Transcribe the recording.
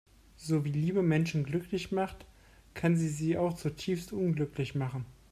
So wie Liebe Menschen glücklich macht, kann sie sie auch zutiefst unglücklich machen.